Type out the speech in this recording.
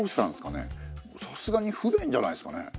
さすがに不便じゃないですかね？